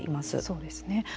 そうですね。